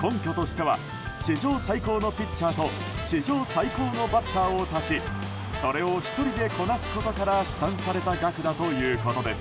根拠としては史上最高のピッチャーと史上最高のバッターを足しそれを１人でこなすことから試算された額だということです。